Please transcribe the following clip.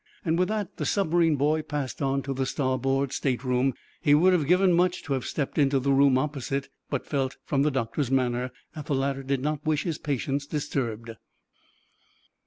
With that the submarine boy passed on to the starboard stateroom. He would have given much to have stepped into the room opposite, but felt, from the doctor's manner, that the latter did not wish his patients disturbed.